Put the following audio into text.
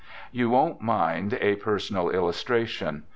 You won't mind a personal illustration.